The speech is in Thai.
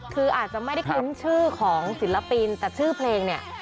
คืออาจจะไม่ได้คุ้นชื่อของศิลปินแต่ชื่อเพลงเนี่ย